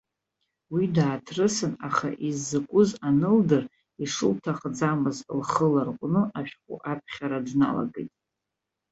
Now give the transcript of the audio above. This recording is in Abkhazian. Уи дааҭрысын, аха иззакәыз анылдыр, ишылҭахӡамыз лхы ларҟәны ашәҟәы аԥхьара дналагеит.